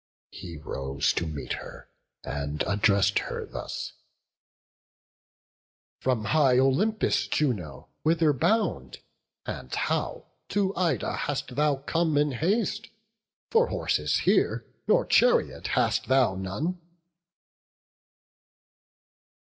He rose to meet her, and address'd her thus: "From high Olympus, Juno, whither bound, And how, to Ida hast thou come in haste? For horses here or chariot hast thou none."